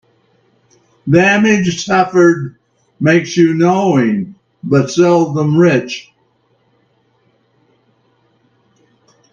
Damage suffered makes you knowing, but seldom rich.